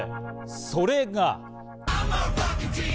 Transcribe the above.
それが。